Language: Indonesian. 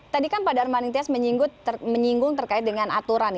tadi kan pak darmaning tias menyinggung terkait dengan aturan ya